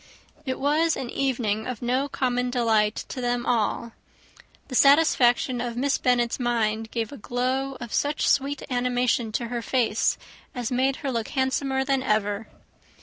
It was an evening of no common delight to them all; the satisfaction of Miss Bennet's mind gave such a glow of sweet animation to her face, as made her look handsomer than ever.